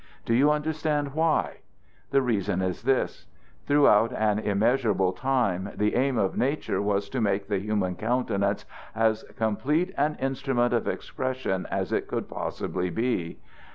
Do you understand why? The reason is this: throughout an immeasurable time the aim of nature was to make the human countenance as complete an instrument of expression as it could possibly be.